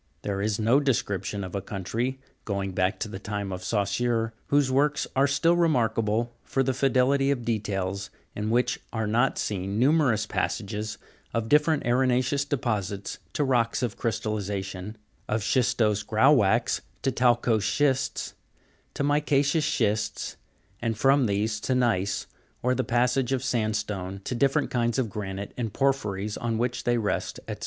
There is no description of a country, going back to the time of Saussure, whose works are still remarkable for their fidelity of details, in which are not seen numerous passages of different arena'ceous deposits to rocks of crystallization, of schistose grauwackes to talcose schists, to mica'ceous schists, and from these to gneiss, or the passage of sandstone to different kinds of granite and porphyries on which they rest, &c.